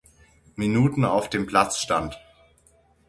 Minuten auf dem Platz stand.